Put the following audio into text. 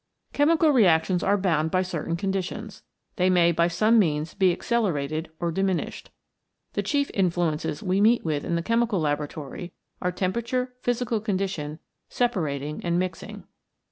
Chemical reactions are bound by certain con ditions. They may by some means be accelerated or diminished. The chief influences we meet with in the chemical laboratory are temperature, physical condition, separating and mixing.